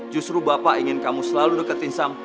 justru bapak ingin kamu selalu deketin sam